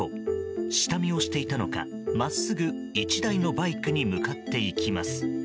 下見をしていたのか、真っすぐ１台のバイクに向かっていきます。